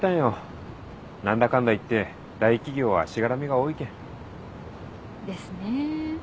何だかんだいって大企業はしがらみが多いけん。ですね。